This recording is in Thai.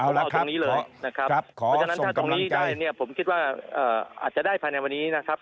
เอาละครับขอส่งกำลังใจผมคิดว่าอาจจะได้ภายในวันนี้นะครับ